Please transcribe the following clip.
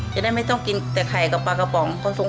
จะได้ไม่ต้องกินแต่ไข่กับปลากระป๋อง